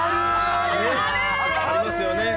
ありますよね。